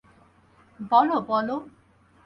বলো, বলো?